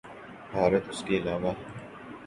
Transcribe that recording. بھارت اس کے علاوہ ہے۔